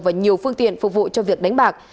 và nhiều phương tiện phục vụ cho việc đánh bạc